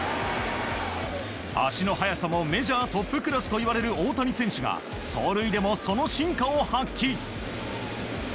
足の速さもメジャートップクラスといわれる大谷選手が走塁でもその真価を発揮。